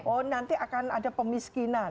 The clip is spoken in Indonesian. oh nanti akan ada pemiskinan